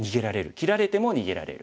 切られても逃げられる。